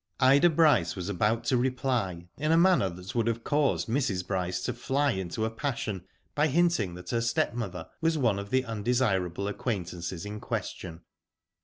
Ida Bryce was about to reply, in a manner that would have caused Mrs. Bryce to fly into a passion, by hinting that her stepmother was one of the undesirable acquaintances in question.